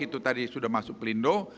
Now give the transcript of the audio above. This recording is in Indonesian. itu tadi sudah masuk pelindo